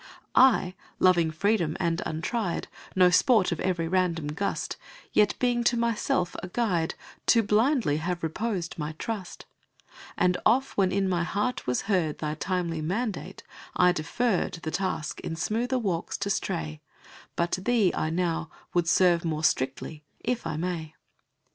I, loving freedom, and untried, No sport of every random gust, Yet being to myself a guide, Too blindly have reposed my trust: And oft, when in my heart was heard Thy timely mandate, I deferr'd The task, in smoother walks to stray; But thee I now would serve more strictly, if I may.